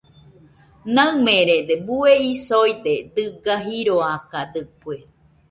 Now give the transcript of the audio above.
Naɨmerede bueisoide dɨga jiroakadɨkue.